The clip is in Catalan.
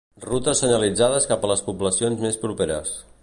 Rutes senyalitzades cap a les poblacions més properes.